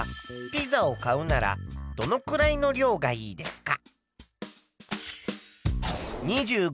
ピザを買うならどのくらいの量がいいか？